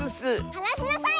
はなしなさい！